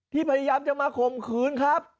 ที่พยายามจะมาคมคืนครับ